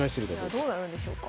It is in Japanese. さあどうなるんでしょうか。